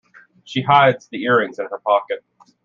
She hides the earrings in her pocket.